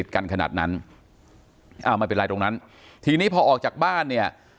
กันขนาดนั้นอ้าวไม่เป็นไรตรงนั้นทีนี้พอออกจากบ้านเนี่ย